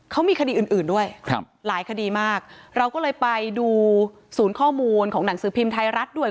เขามีคดีอื่นอื่นด้วยครับหลายคดีมากเราก็เลยไปดูศูนย์ข้อมูลของหนังสือพิมพ์ไทยรัฐด้วย